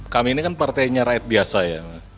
kami ini kan partainya rakyat biasa ya